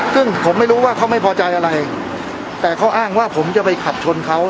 ซึ่งผมไม่รู้ว่าเขาไม่พอใจอะไรแต่เขาอ้างว่าผมจะไปขับชนเขา